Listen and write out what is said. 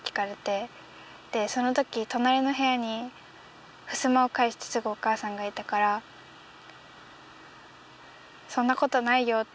でそのとき隣の部屋にふすまを介してすぐお母さんがいたから「そんなことないよ」って言えなくて。